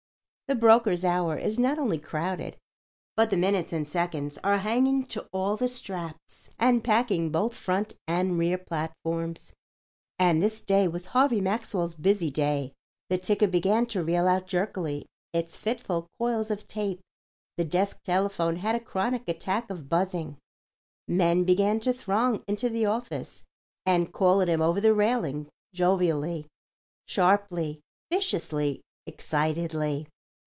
The broker's hour is not only crowded, but the minutes and seconds are hanging to all the straps and packing both front and rear platforms. And this day was Harvey Maxwell's busy day. The ticker began to reel out jerkily its fitful coils of tape, the desk telephone had a chronic attack of buzzing. Men began to throng into the office and call at him over the railing, jovially, sharply, viciously, excitedly.